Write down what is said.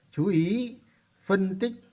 chú ý phân tích